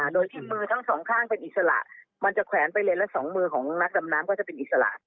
โดยที่มือทั้งสองข้างเป็นอิสระมันจะแขวนไปเลนและสองมือของนักดำน้ำก็จะเป็นอิสระ